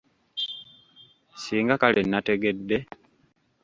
Singa kale nategedde!